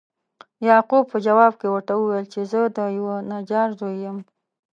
یعقوب په جواب کې ورته وویل چې زه د یوه نجار زوی یم.